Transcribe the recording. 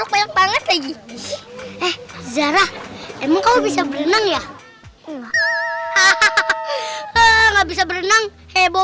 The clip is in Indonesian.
enggak banyak banget lagi eh zara emang kau bisa berenang ya hahaha enggak bisa berenang heboh